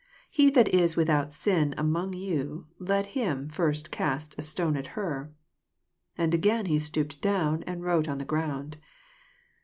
He that is without sin among you, let him first oast a stone at her. 8 And again he stooped down, and wrote on the ground.